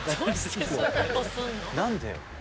何でよ。